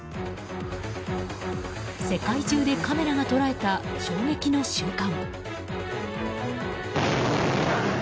世界中でカメラが捉えた衝撃の瞬間。